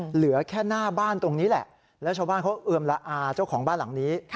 เหลือแค่หน้าบ้านตรงนี้แหละแล้วชาวบ้านเขาเอือมละอาเจ้าของบ้านหลังนี้